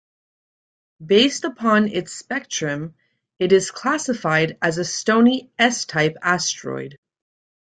Based upon its spectrum, it is classified as a stony S-type asteroid.